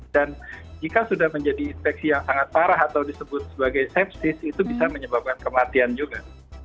dan jika sudah menjadi infeksi yang sangat parah atau disebut sebagai sepsis itu bisa menyebabkan kematian juga